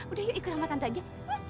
udah yuk ikut sama tante aja